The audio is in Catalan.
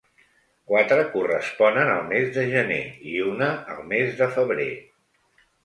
Quatre corresponen al mes de gener i una al mes de febrer.